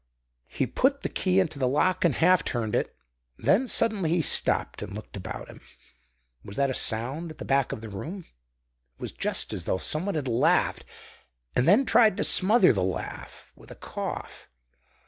He put the key into the lock and half turned it. Then, suddenly, he stopped and looked about him. Was that a sound at the back of the room? It was just as though someone had laughed and then tried to smother the laugh with a cough.